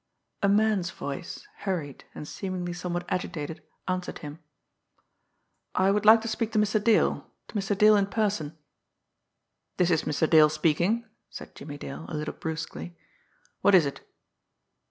A man's voice, hurried, and seemingly somewhat agitated, answered him. "I would like to speak to Mr. Dale to Mr. Dale in person." "This is Mr. Dale speaking," said Jimmie Dale a little brusquely. "What is it?"